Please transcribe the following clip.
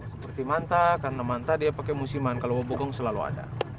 seperti manta karena manta dia pakai musiman kalau wabukung selalu ada